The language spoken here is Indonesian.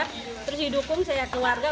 terus didukung saya ke warga